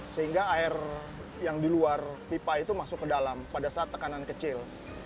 sehingga air yang di luar pipa itu masuk ke dalam pada saat tekanan kecil